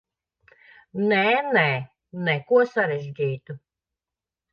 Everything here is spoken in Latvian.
Nē, nē, neko sarežģītu.